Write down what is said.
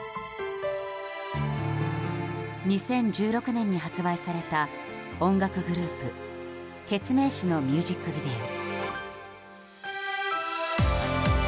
２０１６年に発売された音楽グループケツメイシのミュージックビデオ。